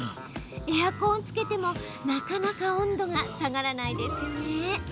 エアコンをつけてもなかなか温度が下がらないですよね。